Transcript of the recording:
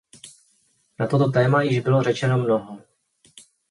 Na toto téma již bylo řečeno mnoho.